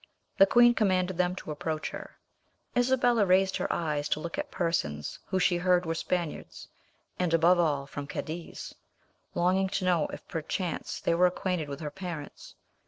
The queen commanded them to approach her. Isabella raised her eyes to look at persons who she heard were Spaniards, and, above all, from Cadiz, longing to know if perchance they were acquainted with her parents.